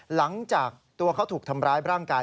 หลังจากตัวเขาถูกทำร้ายร่างกาย